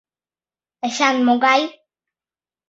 — Эчан могай?